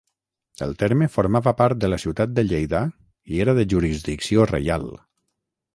El terme formava part de la ciutat de Lleida i era de jurisdicció reial.